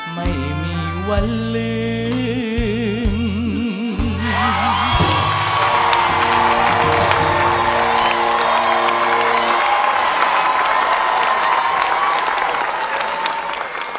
ไม่มีวันลืม